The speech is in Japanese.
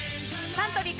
サントリーから